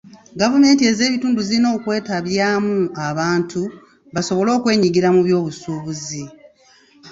Gavumenti ez'ebitundu zirina okwetabyamu abantu basobole okwenyigira mu by'obusuubuzi.